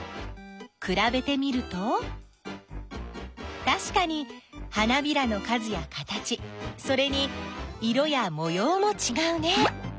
くらべてみるとたしかに花びらの数や形それに色やもようもちがうね。